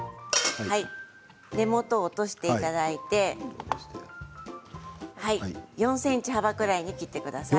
根元を落としていただいて４ｃｍ幅くらいに切ってください。